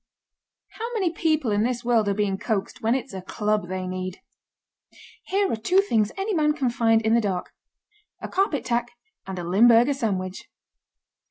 How many people in this world are being coaxed when it's a club they need! Here are two things any man can find in the dark a carpet tack and a limburger sandwich.